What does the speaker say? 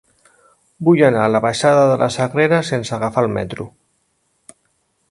Vull anar a la baixada de la Sagrera sense agafar el metro.